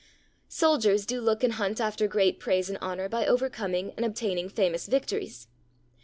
Soldiers do look and hunt after great praise and honour by overcoming and obtaining famous victories.